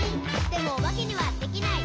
「でもおばけにはできない」